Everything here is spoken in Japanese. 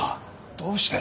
どうして？